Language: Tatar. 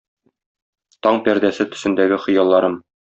Таң пәрдәсе төсендәге хыялларым?